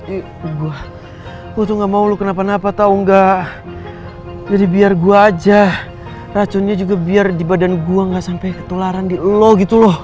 iya gue tuh nggak mau lo kenapa napa tau nggak jadi biar gue aja racunnya juga biar di badan gue nggak sampai ketularan di lo gitu loh